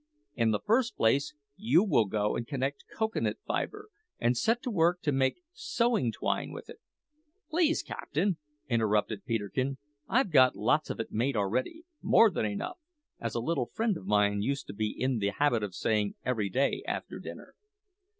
In the first place, you will go and collect coca nut fibre, and set to work to make sewing twine with it " "Please, captain," interrupted Peterkin, "I've got lots of it made already more than enough, as a little friend of mine used to be in the habit of saying every day after dinner."